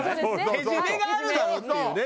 ケジメがあるだろう！っていうね